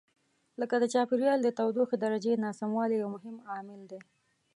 لکه د چاپېریال د تودوخې درجې ناسموالی یو مهم عامل دی.